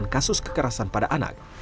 kasus kekerasan pada anak